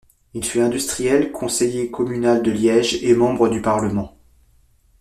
Il fut industriel, conseiller communal de Liège et membre du parlement.